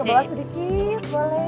ke bawah sedikit boleh